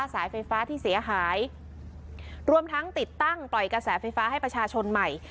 สายไฟฟ้าที่เสียหายรวมทั้งติดตั้งปล่อยกระแสไฟฟ้าให้ประชาชนใหม่